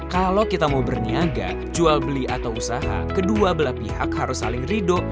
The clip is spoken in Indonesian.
kalau kita mau berniaga jual beli atau usaha kedua belah pihak harus saling ridho